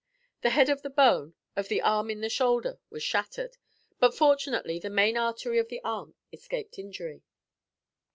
The head of the bone, of the arm in the shoulder was shattered; but, fortunately, the main artery of the arm escaped injury.